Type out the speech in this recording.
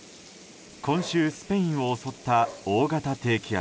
今週、スペインを襲った大型低気圧。